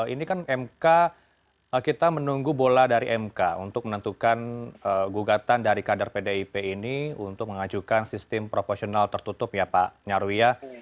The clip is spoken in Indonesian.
ini kan mk kita menunggu bola dari mk untuk menentukan gugatan dari kader pdip ini untuk mengajukan sistem proporsional tertutup ya pak nyarwi ya